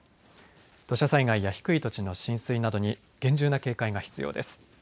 土砂災害や低い土地の浸水などに厳重な警戒が必要です。